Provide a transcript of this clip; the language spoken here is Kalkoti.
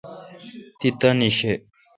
تی تانی شی۔